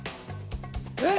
えっ？